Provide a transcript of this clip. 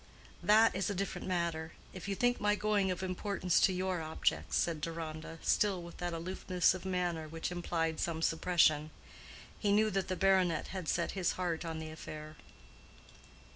"That is a different matter—if you think my going of importance to your object," said Deronda, still with that aloofness of manner which implied some suppression. He knew that the baronet had set his heart on the affair.